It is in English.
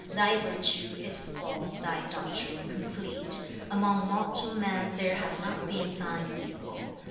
Thy virtue is full, thy doctrine complete. Among mortal men there has not been thine equal.